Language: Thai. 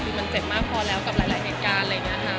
คือมันเจ็บมากพอแล้วกับหลายเหตุการณ์อะไรอย่างนี้ค่ะ